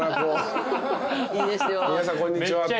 「皆さんこんにちは」って。